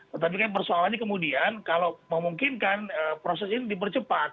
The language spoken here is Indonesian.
tetapi kan persoalannya kemudian kalau memungkinkan proses ini dipercepat